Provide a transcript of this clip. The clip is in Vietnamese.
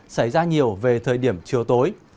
xảy ra nhiều về thời điểm chiều tối